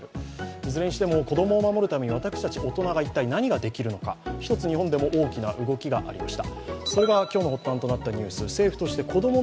いずれにしても、子供を守るために私たち大人が一体、何ができるのか、一つ日本でも大きな動きがありました。